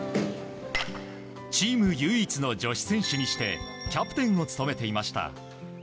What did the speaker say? チーム唯一の女子選手にしてキャプテンを務めていました。